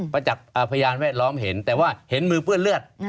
ประจักษ์พยานแวดล้อมเห็นแต่ว่าเห็นมือเปื้อนเลือด